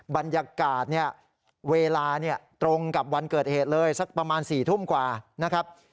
บรรยากาศเนี่ยเวลาตรงกับวันเกิดเหตุเลยสักประมาณ๔ทุ่มกว่านะครับ